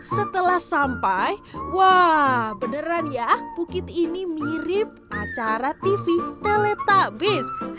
setelah sampai wah beneran ya bukit ini mirip acara tv teletabis